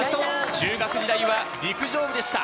中学時代は陸上部でした。